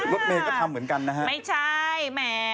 ลดเมฆก็ทำเหมือนกันนะฮะอ้าวไม่ใช่แหม่